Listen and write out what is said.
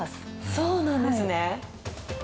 そうなんですね。